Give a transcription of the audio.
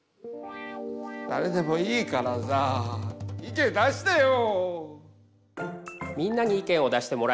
だれでもいいからさ意見出してよ。